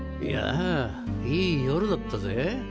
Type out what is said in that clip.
いやいい夜だったぜ。